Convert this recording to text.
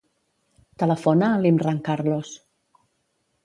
Telefona a l'Imran Carlos.